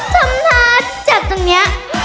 ทำทาใจจับตรงเนี้ย